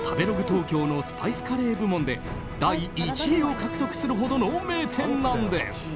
東京のスパイスカレー部門で第１位を獲得するほどの名店なんです。